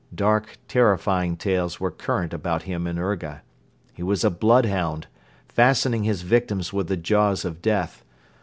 Dark, terrifying tales were current about him in Urga. He was a bloodhound, fastening his victims with the jaws of death.